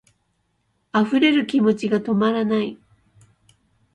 溢れる気持ちが止まらない